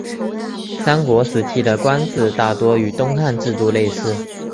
三国时期的官制大多与东汉制度类似。